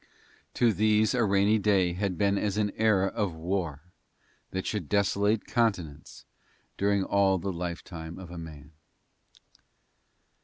To these a rainy day had been as an era of war that should desolate continents during all the lifetime of a man.